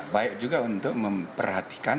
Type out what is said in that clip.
baik juga untuk memperhatikan